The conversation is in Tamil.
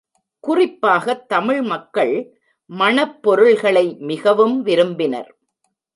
குறிப்பாகத் தமிழ் மக்கள் மணப் பொருள்களை மிகவும் விரும்பினர்.